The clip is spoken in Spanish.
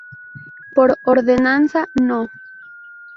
Por Ordenanza No.